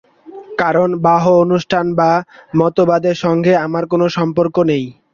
কারণ বাহ্য অনুষ্ঠান বা মতবাদের সঙ্গে আমার কোন সম্পর্ক নেই।